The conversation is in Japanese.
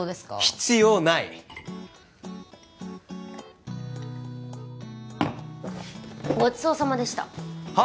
必要ないごちそうさまでしたは？